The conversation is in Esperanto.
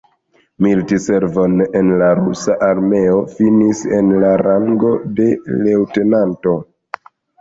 Militservon en la rusa armeo finis en la rango de leŭtenanto.